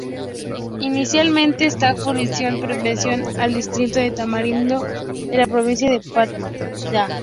Inicialmente esta jurisdicción perteneció al distrito de Tamarindo de la provincia de Paita.